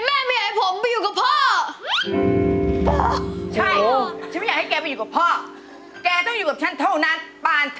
แต่ปัลปันดูใจเดน่า